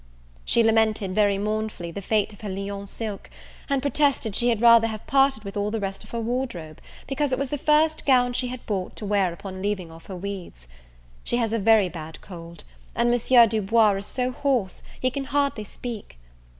She lamented, very mournfully, the fate of her Lyons silk; and protested she had rather have parted with all the rest of her wardrobe, because it was the first gown she had bought to wear upon leaving off her weeds. She has a very bad cold, and Monsieur Du Bois is so hoarse, he can hardly speak.